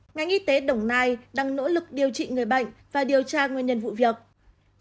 ngành y tế đồng nai đang nỗ lực điều trị người bệnh và điều tra nguyên nhân vụ việc